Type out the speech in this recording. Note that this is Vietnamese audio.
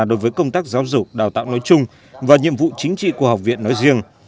đối với công tác giáo dục đào tạo nói chung và nhiệm vụ chính trị của học viện nói riêng